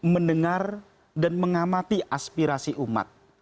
mendengar dan mengamati aspirasi umat